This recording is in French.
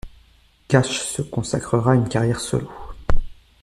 Cash se consacrera à une carrière solo.